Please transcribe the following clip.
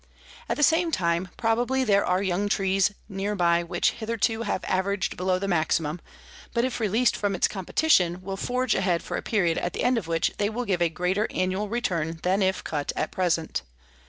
At the same time, probably there are young trees nearby which hitherto have averaged below the maximum, but if released from its competition will forge ahead for a period at the end of which they will give a greater annual return than if cut at present.